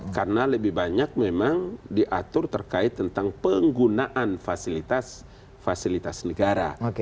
karena lebih banyak memang diatur terkait tentang penggunaan fasilitas negara